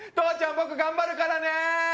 僕頑張るからね！